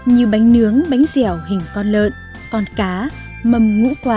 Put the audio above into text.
như bánh nướng bánh dẻo hình con lợn con cá mâm ngũ quả